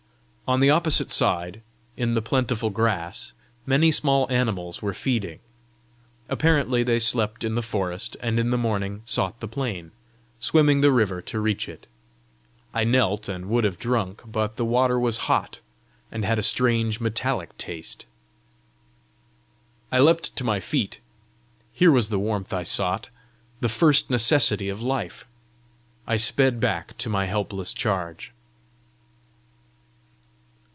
On the opposite side, in the plentiful grass, many small animals were feeding. Apparently they slept in the forest, and in the morning sought the plain, swimming the river to reach it. I knelt and would have drunk, but the water was hot, and had a strange metallic taste. I leapt to my feet: here was the warmth I sought the first necessity of life! I sped back to my helpless charge.